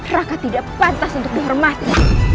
raka tidak pantas untuk dihormati